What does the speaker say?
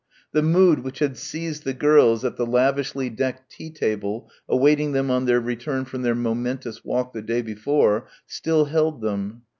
The mood which had seized the girls at the lavishly decked tea table awaiting them on their return from their momentous walk the day before, still held them.